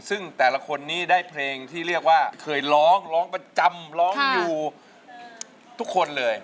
ซึ่งแต่ละคนนี้ได้เพลงที่เรียกว่าเคยร้องร้องประจำร้องอยู่ทุกคนเลย